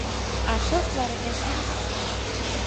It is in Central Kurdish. ئاسۆس لە ڕێگا گیری خواردووە.